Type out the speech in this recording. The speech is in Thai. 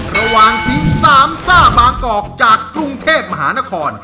ระหว่างทีมสามซ่าบางกอกจากกรุงเทพมหานคร